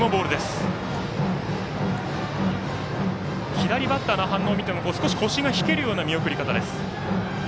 左バッターの反応を見ても少し腰が引けるような見送り方です。